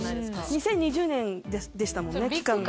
２０２０年でしたもんね期間が。